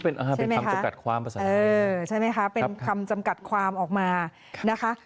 เป็นคำจำกัดความภาษาใช่ไหมคะเป็นคำจำกัดความออกมานะคะ